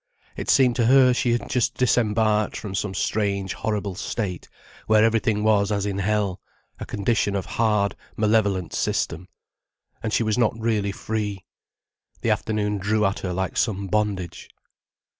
It seemed to her she had just disembarked from some strange horrible state where everything was as in hell, a condition of hard, malevolent system. And she was not really free. The afternoon drew at her like some bondage.